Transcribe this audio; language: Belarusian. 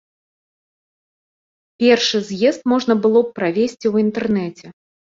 І з'езд можна было б правесці ў інтэрнэце.